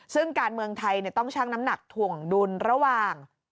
ซึ่งการเมืองไทยต้องชั่งน้ำหนักถ่วงดุลระหว่าง